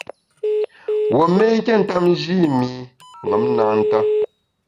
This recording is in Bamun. Wuo mé nké ntap nji i mi ṅom na nta.